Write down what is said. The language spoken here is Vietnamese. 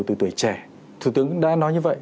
từ tuổi trẻ thủ tướng đã nói như vậy